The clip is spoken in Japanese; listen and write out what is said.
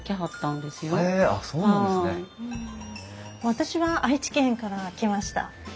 私は愛知県から来ました。